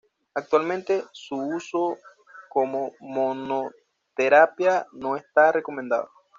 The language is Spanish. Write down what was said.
Actualmente su uso como monoterapia no está recomendado.